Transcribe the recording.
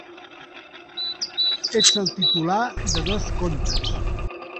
Ets el titular de dos comptes.